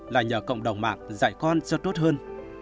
là nhờ cộng đồng mạng dạy con cho tốt hơn